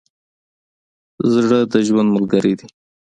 زړه د ژوند ملګری دی.